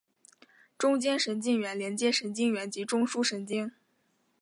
中间神经元连接神经元及中枢神经。